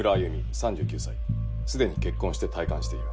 ３９歳すでに結婚して退官している。